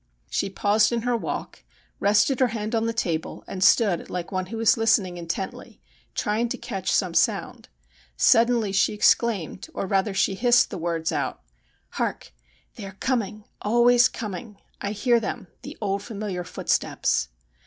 She paused in her walk, rested her hand on the table, and stood like one who was listening intently, trying to catch some sound. Suddenly she exclaimed, or rather she hissed the words out :' Hark ! They are coming — always coming. I hear them ; the old familiar footsteps.'